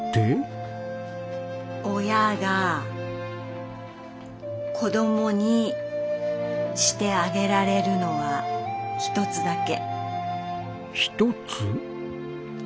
親が子供にしてあげられるのは一つだけ。